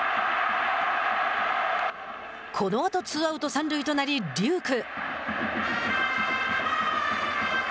このあとツーアウト、三塁となり龍空。